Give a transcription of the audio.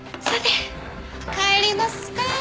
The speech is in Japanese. さて帰りますか。